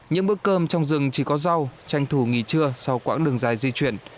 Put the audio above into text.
những bữa cơm trong rừng chỉ có rau tranh thủ nghỉ trưa sau quãng đường dài di chuyển